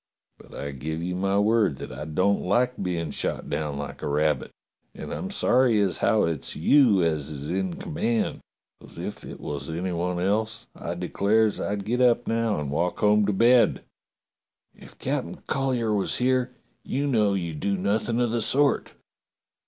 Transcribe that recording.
But I give you my word that I don't like being shot down like a rabbit, and I'm sorry as how it's you as is in command, 'cos if it was any one else I declares I'd get up now and walk home to bed." "If Captain Collyer was here, you know you'd do nothing of the sort."